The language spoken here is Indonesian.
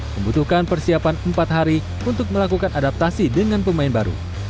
membutuhkan persiapan empat hari untuk melakukan adaptasi dengan pemain baru